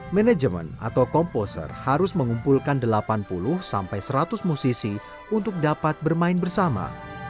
manajemen atau komposer harus mengumpulkan delapan puluh sampai seratus musisi untuk dapat bermain bersama